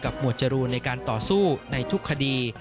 หมวดจรูนในการต่อสู้ในทุกคดี